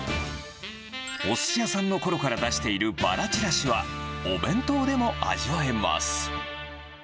おすし屋さんのころから出しているバラチラシは、お弁当でも味わえます。